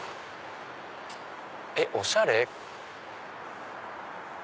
えっおしゃれ！